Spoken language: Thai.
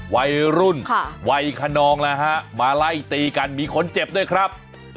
วัยรุ่นวัยคนนองแล้วฮะมาไล่ตีกันมีคนเจ็บด้วยครับ